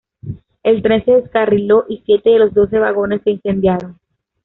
El tren se descarriló y siete de los doce vagones se incendiaron.